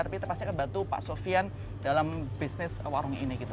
tapi pasti akan bantu pak sofian dalam bisnis warung ini gitu